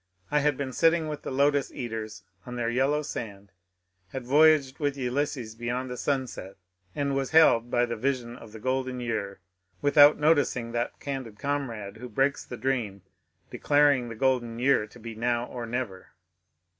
I had been sitting with the Lotus Eaters on their yellow sand, had voyaged with Ulysses beyond the sunset, and was held by the LTTERART STUDIES 279 vision of the Golden Year (without noticing that candid com rade who breaks the dream, dechiring the Golden Year to be now or never).